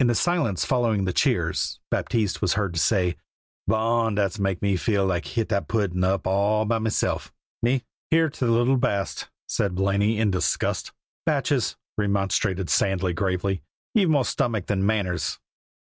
In the silence following the cheers Baptiste was heard to say: "Bon! Dat's mak me feel lak hit dat puddin' all hup meself, me." "Hear till the little baste!" said Blaney in disgust. "Batchees," remonstrated Sandy gravely, "ye've more stomach than manners."